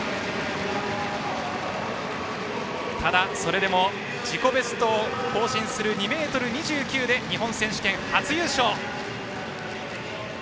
ただ、それでも自己ベストを更新する２ｍ２９で日本選手権初優勝。